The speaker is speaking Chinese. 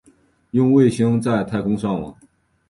用卫星在太空上网